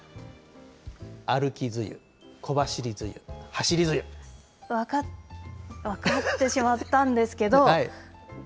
歩き梅雨、小走り梅雨、走り分かってしまったんですけど。